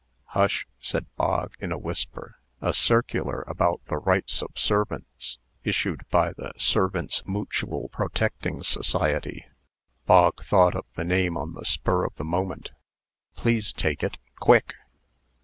"Hush!" said Bog, in a whisper; "a circular about the rights of servants, issued by the 'Servants' Mootual Protecting Society.'" (Bog thought of the name on the spur of the moment.) "Please take it quick."